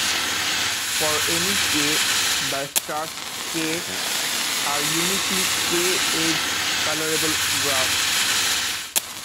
For any "k", the stars "K" are uniquely "k"-edge-colorable graphs.